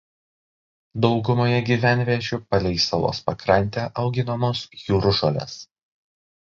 Daugumoje gyvenviečių palei salos pakrantę auginamos jūržolės.